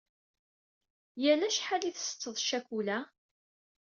Yal acḥal i tsetteḍ ccakula?